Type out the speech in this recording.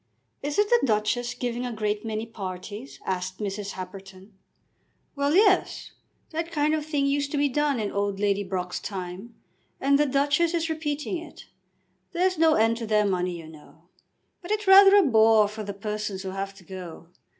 "Isn't the Duchess giving a great many parties?" asked Mrs. Happerton. "Well; yes. That kind of thing used to be done in old Lady Brock's time, and the Duchess is repeating it. There's no end to their money, you know. But it's rather a bore for the persons who have to go."